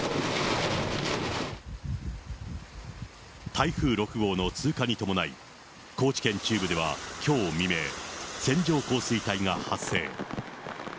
台風６号の通過に伴い、高知県中部ではきょう未明、線状降水帯が発生。